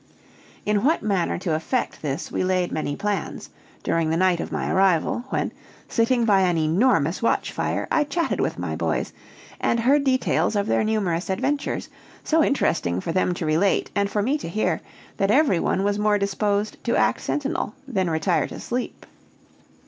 In what manner to effect this we laid many plans, during the night of my arrival, when, sitting by an enormous watch fire, I chatted with my boys, and heard details of their numerous adventures, so interesting for them to relate, and for me to hear, that every one was more disposed to act sentinel than retire to sleep.